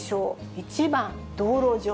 １番、道路上。